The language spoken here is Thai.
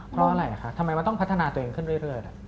เพราะอะไรคะทำไมว่าต้องพัฒนาตัวเองขึ้นเรื่อย